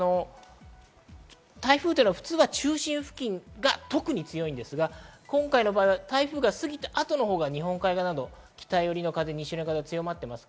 台風は普通は中心付近が特に強いんですが、今回の場合は台風が過ぎた後のほうが日本海側など北よりの風、西よりの風が強まっています。